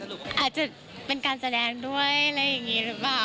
อาจจะเป็นการแสดงด้วยอะไรอย่างนี้หรือเปล่า